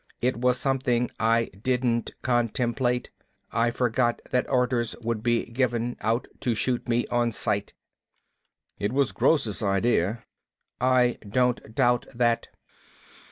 It was something I didn't contemplate. I forgot that orders would be given out to shoot me on sight." "It was Gross' idea." "I don't doubt that.